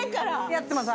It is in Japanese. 「やってます。